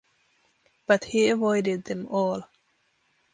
But he avoided them all.